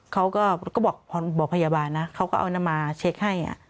เขาก็บอกพยาบาลนะเขาก็เอาน้ำมาเช็คให้